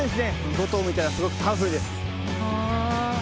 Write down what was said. ５とうもいたらすごくパワフルです。